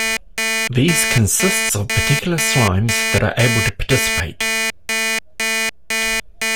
These consists of particular Slimes that are able to participate.